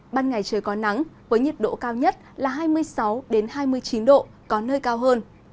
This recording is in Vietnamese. ban ngày trời có nắng với nhiệt độ cao nhất là hai mươi sáu hai mươi chín độ có nơi cao hơn